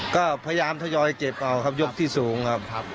ก็พยายามทยอยเก็บเอาครับยกที่สูงครับ